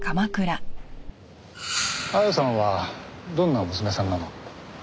亜矢さんはどんな娘さんなの？